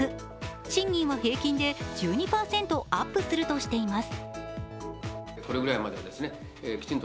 賃金は平均で１２％アップするとしています。